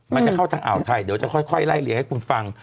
มันจะเข้าทางอ่าวไทยเดี๋ยวจะค่อยไล่เลี้ให้คุณฟัง